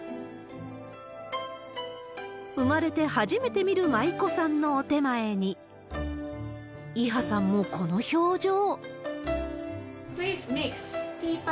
生まれて初めて見る舞妓さんのお点前に、イハさんもこの表情。